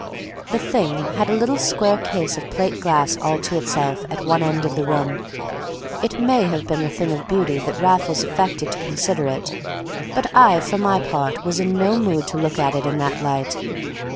The thing had a little square case of plate glass all to itself at one end of the room. It may have been the thing of beauty that Raffles affected to consider it, but I for my part was in no mood to look at it in that light.